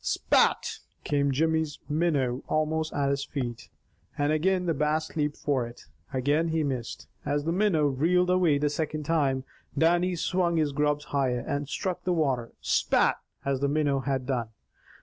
"Spat!" came Jimmy's minnow almost at his feet, and again the Bass leaped for it. Again he missed. As the minnow reeled away the second time, Dannie swung his grubs higher, and struck the water "Spat," as the minnow had done.